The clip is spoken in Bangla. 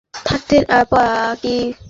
সে সবসময় চোখে সে বড় কাঁচের চশমাটি পরে থাকতো।